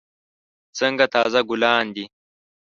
څنګه تازه ګلان دي.